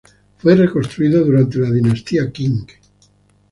Fue reconstruido durante la dinastía Qing.